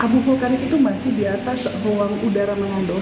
abu vulkanik itu masih di atas ruang udara mengandung